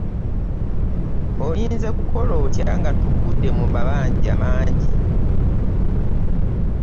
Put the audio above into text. Olinza kukola otya nga tugude mu mabanja mangi?